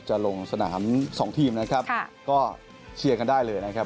จะลงสนามสองทีมนะครับก็เชียร์กันได้เลยนะครับ